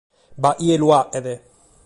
B’at chie lu faghet.